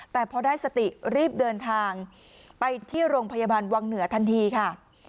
แต่พอได้สติรีบเดินทางไปที่โรงพยาบาลวังเหนือทันทีค่ะ